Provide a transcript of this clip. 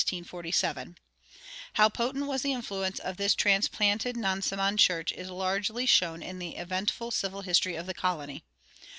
[59:2] How potent was the influence of this transplanted Nansemond church is largely shown in the eventful civil history of the colony.